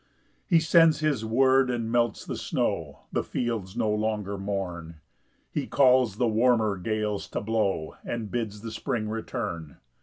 7 He sends his word and melts the snow, The fields no longer mourn; He calls the warmer gales to blow, And bids the spring return.